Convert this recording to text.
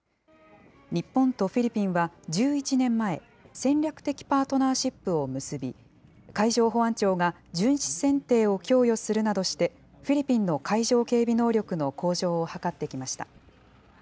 日本とフィリピンは１１年前、戦略的パートナーシップを結び、海上保安庁が巡視船艇を供与するなどして、フィリピンの海上警備能力の向上を図ってきました。